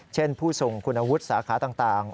เช่นผู้ส่งคุณวุฒิสาขาต่าง